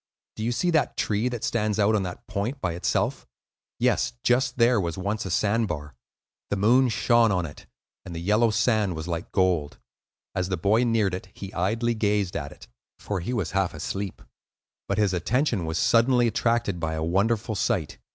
Do you see that tree that stands out on that point by itself? Yes; just there was once a sand bar. The moon shone on it, and the yellow sand was like gold, as the boy neared it; he idly gazed at it, for he was half asleep; but his attention was suddenly attracted by a wonderful sight.